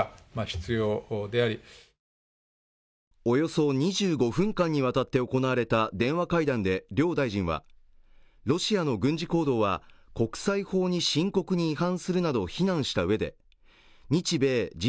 およそ２５分間にわたって行われた電話会談で両大臣はロシアの軍事行動は国際法に深刻に違反するなどを非難したうえで日米Ｇ７